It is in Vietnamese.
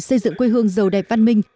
xây dựng quê hương giàu đẹp văn minh